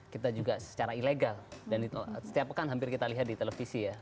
kita juga secara ilegal dan setiap pekan hampir kita lihat di televisi ya